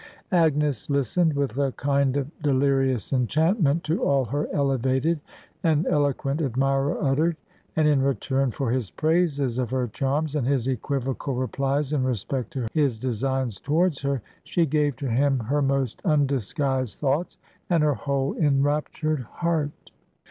Agnes listened, with a kind of delirious enchantment, to all her elevated and eloquent admirer uttered; and in return for his praises of her charms, and his equivocal replies in respect to his designs towards her, she gave to him her most undisguised thoughts, and her whole enraptured heart.